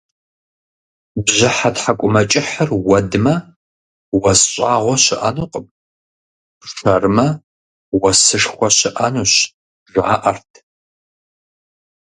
Бжьыхьэ тхьэкӀумэкӀыхьыр уэдмэ, уэс щӀагъуэ щыӀэнукъым, пшэрмэ, уэсышхуэ щыӀэнущ, жаӀэрт.